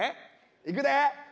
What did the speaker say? いくで。